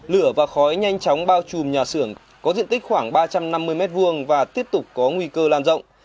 lửa và khói nhanh chóng bao trùm nhà xưởng có diện tích khoảng ba trăm năm mươi m hai và tiếp tục có nguy cơ lan rộng